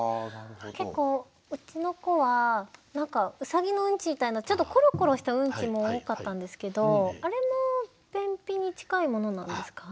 結構うちの子はうさぎのウンチみたいなちょっとコロコロしたウンチも多かったんですけどあれも便秘に近いものなんですか？